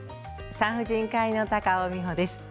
産婦人科医の高尾美穂です。